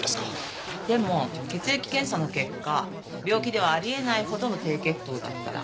でも血液検査の結果病気ではあり得ないほどの低血糖だったら？